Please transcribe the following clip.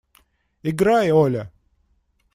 Играй, Оля!